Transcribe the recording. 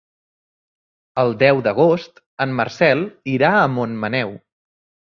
El deu d'agost en Marcel irà a Montmaneu.